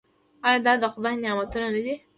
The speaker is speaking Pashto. آیا دا د خدای نعمتونه نه دي؟